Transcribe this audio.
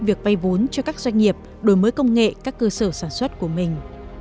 việc vay vốn cho các doanh nghiệp đổi mới công nghệ các cơ sở sản xuất của mình